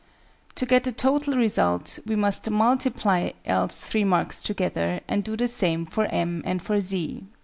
To get the total result, we must multiply L's 3 marks together, and do the same for M and for Z.